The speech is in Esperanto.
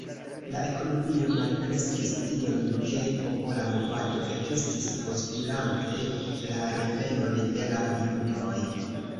La ekonomio malkreskis tiom ke popola movado ekestis postulante la revenon de la judoj.